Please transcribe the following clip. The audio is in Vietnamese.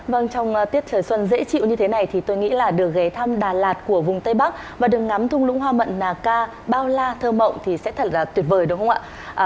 vâng trong tiết trời xuân dễ chịu như thế này thì tôi nghĩ là được ghé thăm đà lạt của vùng tây bắc và đường ngắm thung lũng hoa mận nà ca bao la thơ mộng thì sẽ thật là tuyệt vời đúng không ạ